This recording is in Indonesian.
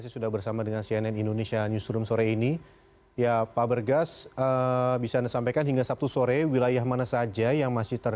selamat sore pak bergas